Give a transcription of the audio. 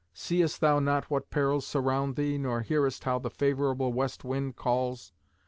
seest thou not what perils surround thee, nor hearest how the favourable west wind calls?